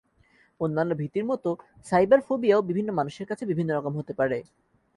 অন্যান্য ভীতির মতো সাইবারফোবিয়াও বিভিন্ন মানুষের কাছে বিভিন্ন রকম হতে পারে।